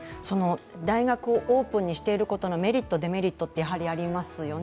大学をオープンにしていることのメリット、デメリットってやはりありますよね。